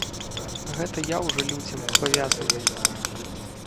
Гэта я ўжо людзям абавязаны.